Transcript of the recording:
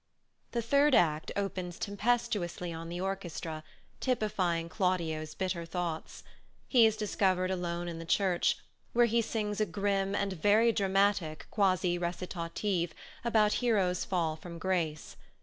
The third act opens tempestuously on the orchestra, typifying Claudio's bitter thoughts. He is discovered alone in the church, where he sings a grim and very dramatic quasi recitative about Hero's fall from grace.